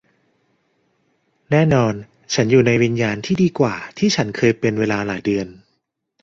แน่นอนฉันอยู่ในวิญญาณที่ดีกว่าที่ฉันเคยเป็นเวลาหลายเดือน